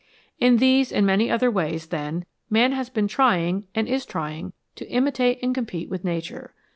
In these and many other ways, then, man has been trying, and is trying, to imitate and compete with Nature.